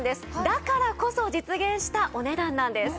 だからこそ実現したお値段なんです。